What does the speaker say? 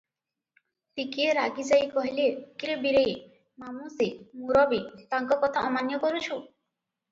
ଟିକିଏ ରାଗିଯାଇ କହିଲେ, "କି ରେ ବୀରେଇ! ମାମୁ ସେ, ମୁରବି, ତାଙ୍କ କଥା ଅମାନ୍ୟ କରୁଛୁ?